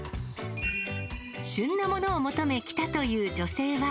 旬なものを求め来たという女性は。